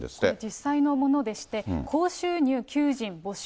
実際のものでして、高収入求人募集。